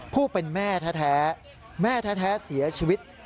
ผู้เป็นแม่แท้เสียชีวิต